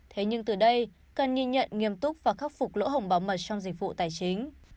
thế nhưng từ đây cần nhìn nhận nghiêm túc và khắc phục lỗ hồng bảo mật trong dịch vụ tài chính